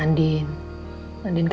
sering seringlah manjain andin